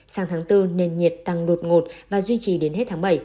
sang tháng bốn nền nhiệt tăng đột ngột và duy trì đến hết tháng bảy